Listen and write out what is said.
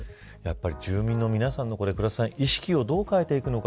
やっぱり住民の皆さんの意識をどう変えていくのか。